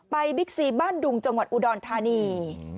บิ๊กซีบ้านดุงจังหวัดอุดรธานี